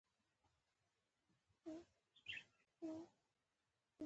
غریب ته ښې خبرې دوا دي